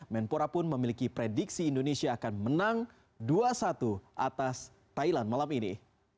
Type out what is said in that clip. menpora pun memiliki prediksi indonesia akan menang dua satu atas thailand malam ini